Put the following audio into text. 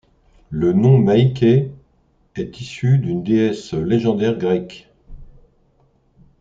Le nom Maike est issue d’une Déesse légendaire grecque.